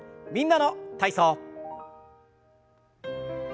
「みんなの体操」。